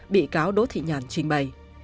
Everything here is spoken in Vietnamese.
bị cáo đỗ thị nhàn trình bày